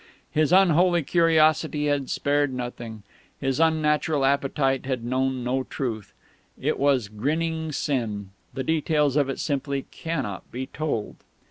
His unholy curiosity had spared nothing, his unnatural appetite had known no truth. It was grinning sin. The details of it simply cannot be told....